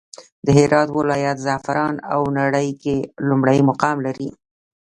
د هرات ولايت زعفران په نړى کې لومړى مقام لري.